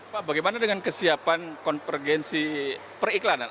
pak bagaimana dengan kesiapan konvergensi periklanan